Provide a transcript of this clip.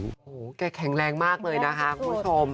โอ้โหแกแข็งแรงมากเลยนะคะคุณผู้ชม